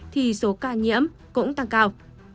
thì số ca nhiễm cũng tăng cao